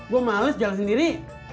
gua males jalan sendiri